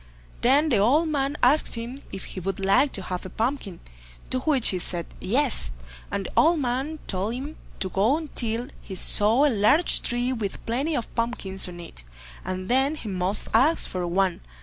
Then the old man asked him if he would like to have a pumpkin, to which he said "yes", and the old man told him to go on till he saw a large tree with plenty of pumpkins on it, and then he must ask for one.